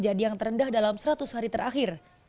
menjadi yang terendah dalam seratus hari terakhir